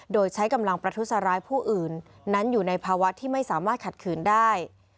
โดยใช้กำลังประทุษร้ายผู้อื่นนั้นอยู่ในภาวะที่ไม่สามารถขัดขืนได้